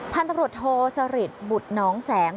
พันธุ์ตำรวจโทสริทบุตรน้องแสง